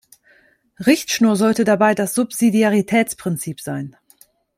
Richtschnur sollte dabei das Subsidiaritätsprinzip sein.